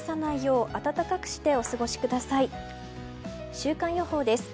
週間予報です。